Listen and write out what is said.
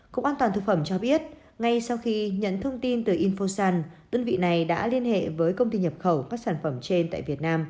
cục an toàn thực phẩm cho biết ngay sau khi nhận thông tin từ infosun đơn vị này đã liên hệ với công ty nhập khẩu các sản phẩm trên